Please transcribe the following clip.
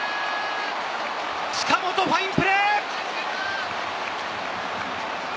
近本、ファインプレー！